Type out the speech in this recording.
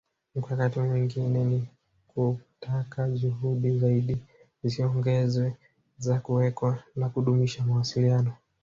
Mkakati mwingine ni kutaka juhudi zaidi ziongezwe za kuweka na kudumisha mawasiliano